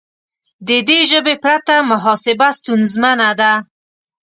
د دې ژبې پرته محاسبه ستونزمنه ده.